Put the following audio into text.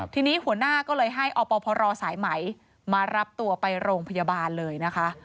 ทีนี้หัวหน้าก็เลยให้อพรสายไหมมารับตัวไปโรงพยาบาลเลยนะคะ